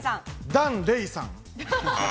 檀れいさん。